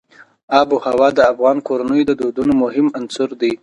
آب وهوا د افغان کورنیو د دودونو مهم عنصر دی.